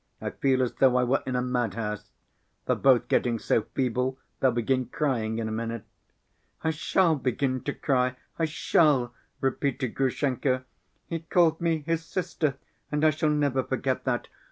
"I feel as though I were in a madhouse. They're both getting so feeble they'll begin crying in a minute." "I shall begin to cry, I shall," repeated Grushenka. "He called me his sister and I shall never forget that.